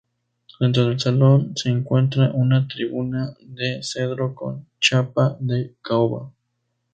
Dentro del salón se encuentra una tribuna de cedro con chapa de caoba.